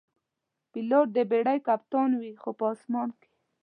پیلوټ د بېړۍ کپتان وي، خو په آسمان کې.